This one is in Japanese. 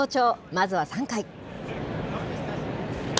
まずは３回。